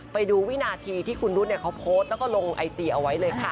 ไปดูวินาทีที่คุณรุ๊ดเขาโพสต์แล้วก็ลงไอจีเอาไว้เลยค่ะ